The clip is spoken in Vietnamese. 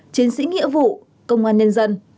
chiến sĩ nghĩa vụ công an nhân dân